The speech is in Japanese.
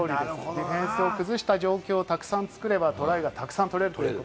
ディフェンスを崩した状態をたくさん作ればトライがたくさん取れる。